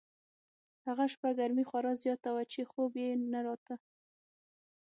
هغه شپه ګرمي خورا زیاته وه چې خوب یې نه راته.